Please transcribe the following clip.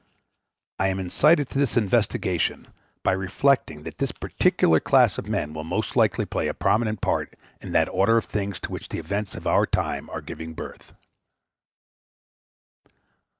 I am incited to this investigation by reflecting that this particular class of men will most likely play a prominent part in that order of things to which the events of our time are giving birth.